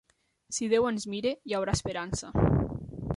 Si Déu ens mira, hi haurà esperança.